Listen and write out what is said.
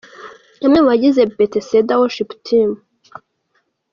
Bamwe mu bagize Bethesda worship team.